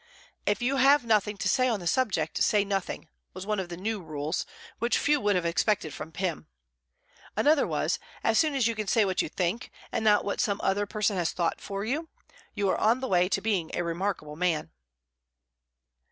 "If you have nothing to say on the subject, say nothing," was one of the new rules, which few would have expected from Pym. Another was: "As soon as you can say what you think, and not what some other person has thought for you, you are on the way to being a remarkable man."